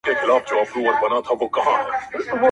• د باغلیو کروندو ته یې روان کړل -